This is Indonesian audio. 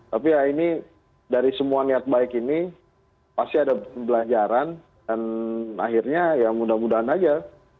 tapi ya ini dari semua niat baik ini pasti ada pembelajaran dan akhirnya ya mudah mudahan aja